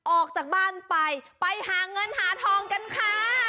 ออกจากบ้านไปไปหาเงินหาทองกันค่ะ